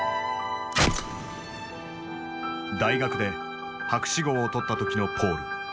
大学で博士号を取った時のポール。